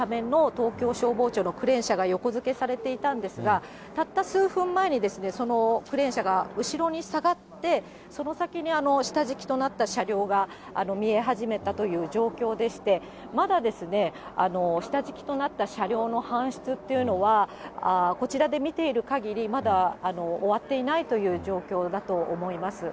東京消防庁のクレーン車が横付けされていたんですが、たった数分前に、そのクレーン車が後ろに下がって、その先に下敷きとなった車両が見え始めたという状況でして、まだ下敷きとなった車両の搬出っていうのはこちらで見ているかぎり、まだ終わっていないという状況だと思います。